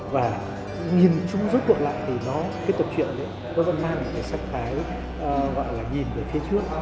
và nhìn trung rút cuộc lại thì nó cái tập truyện ấy nó vẫn mang một cái sách thái gọi là nhìn về phía trước